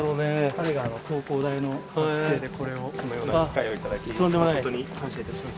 彼が東工大の学生でこれをへえこのような機会をいただきホントに感謝いたします